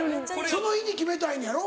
その日に決めたいのやろ？